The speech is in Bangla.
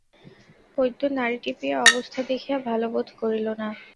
বৈদ্য নাড়ি টিপিয়া অবস্থা দেখিয়া ভালো বোধ করিল না।